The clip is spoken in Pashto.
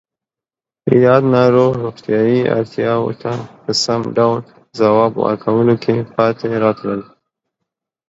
یاد ناروغ روغتیایی اړتیاوو ته په سم ډول ځواب ورکولو کې پاتې راتلل